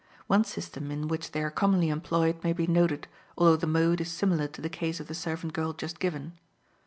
One system in which they are commonly employed may be noted, although the mode is similar to the case of the servant girl just given.